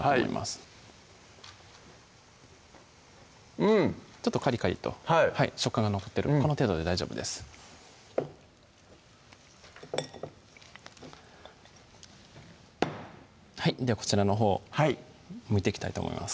はいうんちょっとカリカリと食感が残ってるこの程度で大丈夫ですではこちらのほうむいていきたいと思います